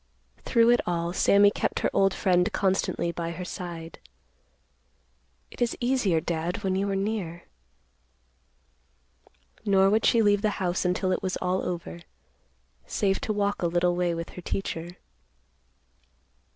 Through it all, Sammy kept her old friend constantly by her side. "It is easier, Dad, when you are near." Nor would she leave the house until it was all over, save to walk a little way with her teacher.